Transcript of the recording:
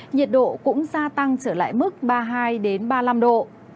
nhiệt độ cũng gia tăng trở lại mức ba mươi hai ba mươi năm độ